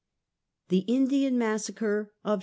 THE INDIAN" MASSACRE OF '62.